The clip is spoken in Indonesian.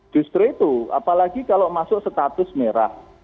justru itu apalagi kalau masuk status merah